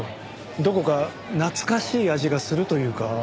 どこか懐かしい味がするというか。